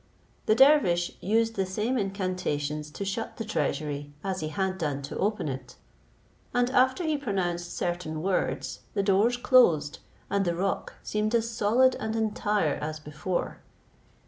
The dervish used the same incantations to shut the treasury as he had done to open it; and after he pronounced certain words, the doors closed, and the rock seemed as solid and entire as before.